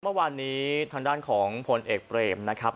เมื่อวานนี้ทางด้านของผลเอกเปรมนะครับ